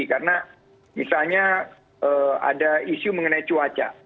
karena misalnya ada isu mengenai cuaca